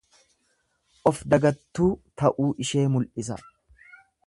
Of dagattuu ta'uu ishee mul'isa.